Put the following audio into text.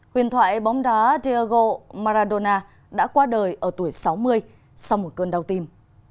huyền thoại bóng đá diego maradona đã qua đời ở tuổi sáu mươi sau một cơn đau tim